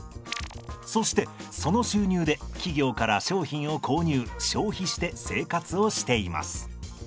そしてその収入で企業から商品を購入消費して生活をしています。